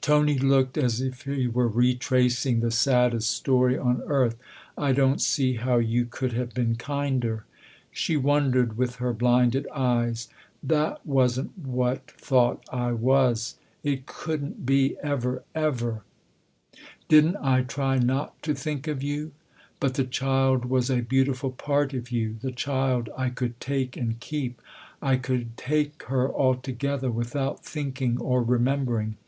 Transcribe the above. Tony looked as if he were retracing the saddest story on earth. " I don't see how you could have been kinder." She wondered with her blinded eyes. " That wasn't what thought I was it couldn't be, ever, THE OTHER HOUSE 301 ever. Didn't I try not to think of you ? But the child was a beautiful part of you the child I could take and keep. I could take her altogether, without thinking or remembering.